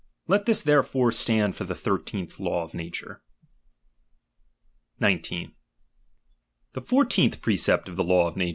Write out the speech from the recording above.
Let this therefore stand for the thirteenth law of nature. 19. The fourteenth precept of the law of nature Th?